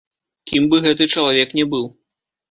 Кім бы гэты чалавек не быў.